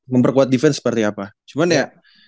memperkuat defense seperti apa cuman ya